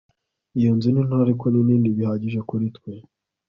Iyo nzu ni nto ariko ni nini bihagije kuri twe